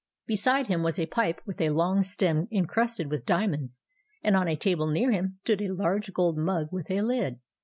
Beside him was a pipe with a long stem encrusted with diamonds, and on a table near him stood a large gold mug with a lid.